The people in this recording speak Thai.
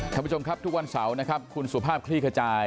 ท่านผู้ชมครับทุกวันเสาร์นะครับคุณสุภาพคลี่ขจาย